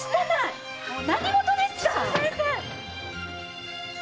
もう何事ですか！